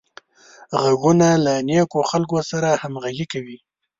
غوږونه له نېکو خلکو سره همغږي کوي